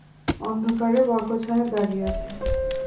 অন্ধকারে বরকত সাহেব দাঁড়িয়ে আছেন।